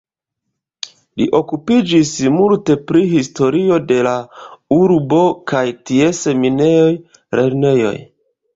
Li okupiĝis multe pri historio de la urbo kaj ties minejoj, lernejoj.